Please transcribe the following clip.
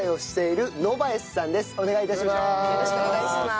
よろしくお願いします。